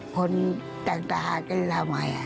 คนจักรทหารก็จะทำไม